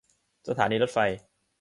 สถานีรถไฟ